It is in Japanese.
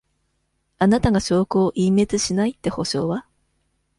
あなたが証拠を隠滅しないって保証は？